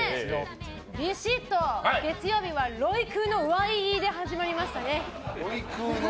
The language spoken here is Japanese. ビシッと月曜日はロイクーのワイイーで始まりましたね。